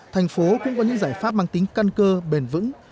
thành phố cũng có những giải pháp mang tính căn cơ bền vững